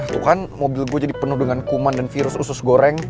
tuh kan mobil gue jadi penuh dengan kuman dan virus usus goreng